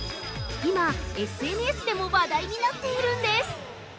今、ＳＮＳでも話題になっているんです。